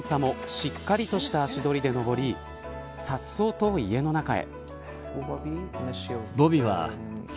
自宅前の段差もしっかりとした足取りで上りさっそうと家の中へ。